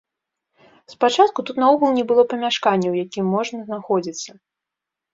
Спачатку тут наогул не было памяшкання, ў якім можна знаходзіцца.